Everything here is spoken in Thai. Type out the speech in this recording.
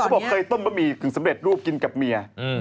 บอกเคยต้มบะหมี่กึ่งสำเร็จรูปกินกับเมีย